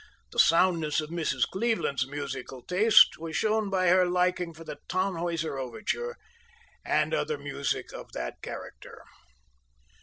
The soundness of Mrs. Cleveland's musical taste was shown by her liking for the "Tannhauser" overture and other music of that character.